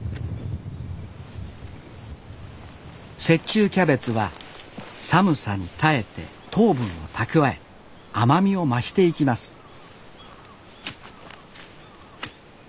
雪中キャベツは寒さに耐えて糖分を蓄え甘みを増していきます